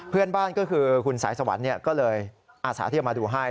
เพื่อนบ้านของหลอนคุณสายสวรรค์ก็เลยอาศัทธิ์อยู่มาดูให้